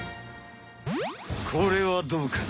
これはどうかな？